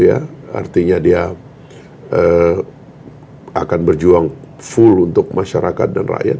artinya dia akan berjuang full untuk masyarakat dan rakyat